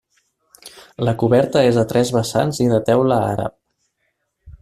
La coberta és a tres vessants i de teula àrab.